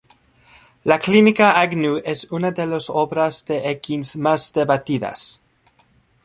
La Clínica Agnew es una de las obras de Eakins más debatidas.